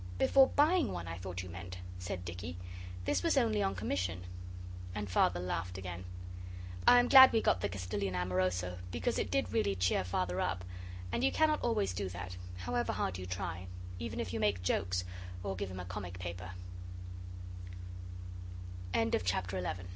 'Before buying one I thought you meant,' said Dicky. 'This was only on commission.' And Father laughed again. I am glad we got the Castilian Amoroso, because it did really cheer Father up, and you cannot always do that, however hard you try, even if you make jokes, or give him a comi